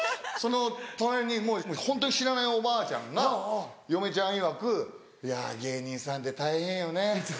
その隣にホントに知らないおばあちゃんが嫁ちゃんいわく「いや芸人さんって大変よね。